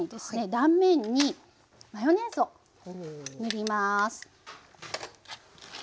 断面にマヨネーズを塗ります。